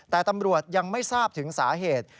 แต่ตำรวจยังไม่ทราบถึงสาเหตุ